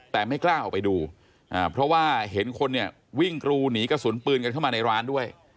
แต่ไม่กล้าออกไปดูเพราะว่าเห็นคนเนี่ยวิ่งกรูหนีกระสุนปืนกันเข้ามาในร้านด้วย